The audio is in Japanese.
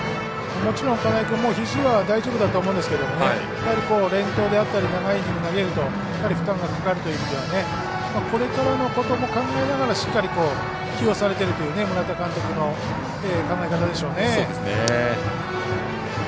もちろん金井君肘はもう大丈夫だと思うんですけど連投であったり長いイニングを投げると負担がかかるという意味ではこれからのことも考えながらしっかり起用されているという村田監督の考え方でしょうね。